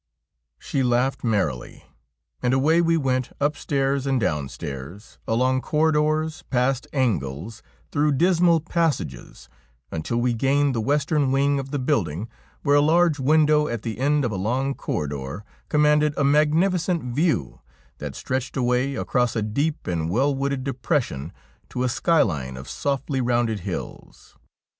She laughed merrily, and away we went up stairways and down stairways, along corridors, past angles, through dismal passages, until we gained the western wing of the building, where a large window at the end of a long corridor commanded a magnificent view that stretched away across a deep and well wooded depression to a skyline of softly rounded hills.